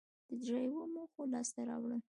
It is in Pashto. د درېواړو موخو لاسته راوړل